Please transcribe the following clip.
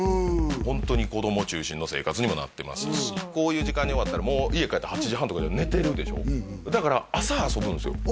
ホントに子供中心の生活にもなってますしこういう時間に終わったらもう家帰ったら８時半で寝てるでしょだから朝遊ぶんですよ